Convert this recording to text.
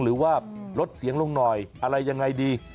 หรือว่าลดเสียงลงหน่อยอะไรยังไงดี